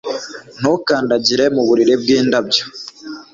Ntukandagire mu buriri bwindabyo